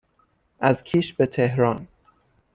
از کیش به تهران